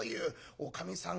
おかみさん